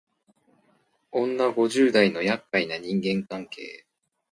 女五十代のやっかいな人間関係